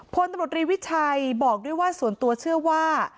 พลตำรวจรีวิชัยบอกด้วยว่าส่วนตัวเชื่อว่า